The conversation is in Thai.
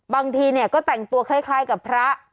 บางทีเนี่ยก็แต่งตัวคล้ายกับพระ